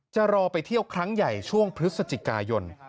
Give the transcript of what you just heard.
จะรอไปเที่ยวครั้งใหญ่ช่วงพฤศจิกายน